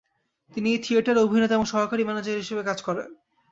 তিনি এই থিয়েটারে অভিনেতা এবং সহকারী ম্যানেজার হিসাবে কাজ করেন।